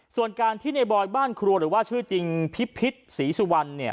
ส่วนการที่ในบอยบ้านครัวหรือว่าชื่อจริงพิพิษศรีสุวรรณ